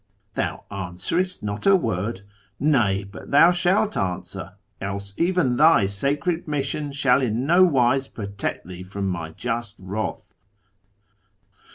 ... Thou answerest not a word ? Nay, but thou shalt answer, else even thy sacred mission shall in nowise protect thee from my just wrath.